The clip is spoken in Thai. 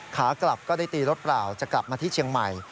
ขากลับก็ได้ตีรถเปล่าจะกลับมาที่เชียงใหม่